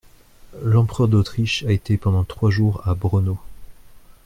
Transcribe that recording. L'empereur d'Autriche a été pendant trois jours à Braunau.